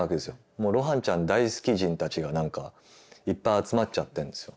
もう露伴ちゃん大好き人たちが何かいっぱい集まっちゃってんですよ。